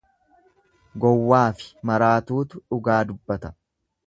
Gowwaafi maraatuutu dhugaa dubbata.